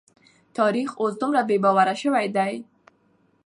تاريخ اوس دومره بې باوره شوی دی.